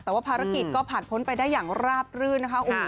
แต่ว่าภารกิจก็ผ่านพ้นไปได้อย่างราบรื่นนะคะ